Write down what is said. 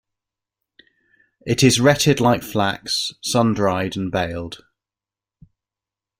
It is retted like flax, sundried and baled.